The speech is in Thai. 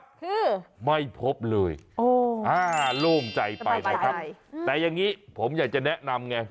คือไม่พบเลยโอ้อ่าโล่งใจไปนะครับแต่อย่างนี้ผมอยากจะแนะนำไง